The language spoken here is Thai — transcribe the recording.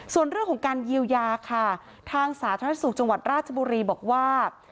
ส่วนเรื่องของการเยียวยาค่ะทางสาธารณสุขจังหวัดราชบุรีบอกว่า